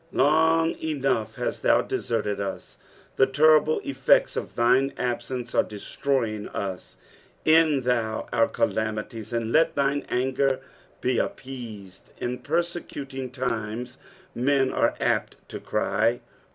'' Long enough hast thou deserted us ; the terrible eSects of thioe absence are destroying us ; end thou our calunities, sod let thine anger be appeased. In persecuting timea men are apt to cry.